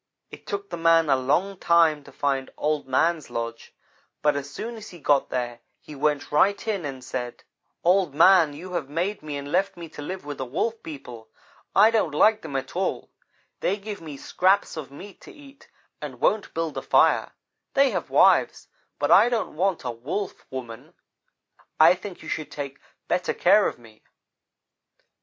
"It took the man a long time to find Old man's lodge, but as soon as he got there he went right in and said: "'Old man, you have made me and left me to live with the Wolf people. I don't like them at all. They give me scraps of meat to eat and won't build a fire. They have wives, but I don't want a Wolf woman. I think you should take better care of me.'